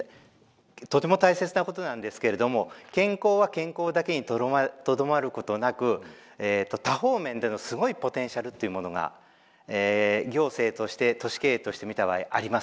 とても大切なことなんですけれども健康は健康だけにとどまることなく多方面でのすごいポテンシャルっていうものが行政として都市経営として見た場合あります。